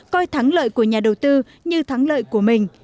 coi thắng lợi của nhà đầu tư như thắng lợi của mình